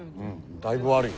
だいぶ悪い。